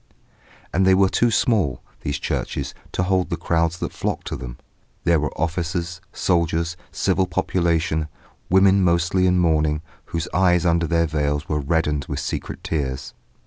And they were too small, these churches, to hold the crowds that flocked to them. There were officers, soldiers, civil population, women mostly in mourning, whose eyes under their veils were reddened with secret tears.